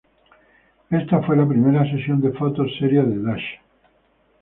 Esta fue la primera sesión de fotos seria de Dasha.